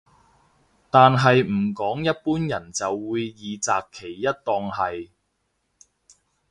但係唔講一般人就會二擇其一當係